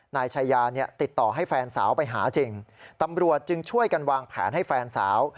นายชายาเนี่ยติดต่อให้แฟนสาวไปหาจริงตำรวจจึงช่วยกันวางแผนให้แฟนสาว